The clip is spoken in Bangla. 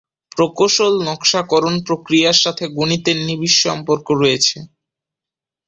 প্রকৌশল নকশাকরণ প্রক্রিয়ার সাথে গণিতের নিবিড় সম্পর্ক আছে।